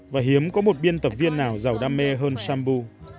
và hiếm có một biên tập viên nào giàu đam mê hơn sambu